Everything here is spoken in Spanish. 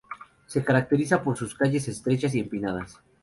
Se caracteriza por sus calles estrechas y empinadas.